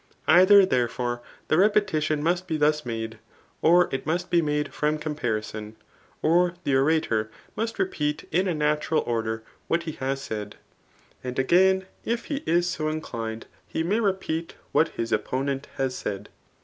'' Either, therefore, the repetition must be thus made, or it must be made from comparison, or the orator must repeat in a natural order what he has said. And again, if he is so inclined, he may repeat what his opponent has said.